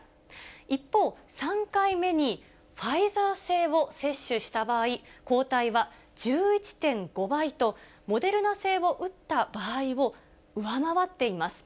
一方、３回目にファイザー製を接種した場合、抗体は１１．５倍と、モデルナ製を打った場合を上回っています。